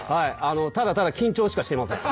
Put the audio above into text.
ただただ緊張しかしてません。